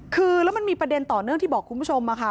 คือแล้วมันมีประเด็นต่อเนื่องที่บอกคุณผู้ชมค่ะ